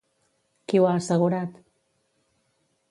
Qui ho ha assegurat?